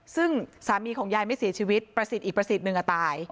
ซึ่งสามีของยายไม่เสียชีวิตประสิทธิ์อีกประสิทธิ์หนึ่งตาย